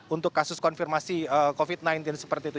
untuk kasus konfirmasi covid sembilan belas seperti itu